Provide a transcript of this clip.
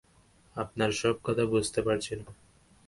আপনার সব কথা বুঝতে পারছি না।